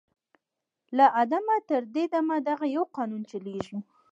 « له آدمه تر دې دمه دغه یو قانون چلیږي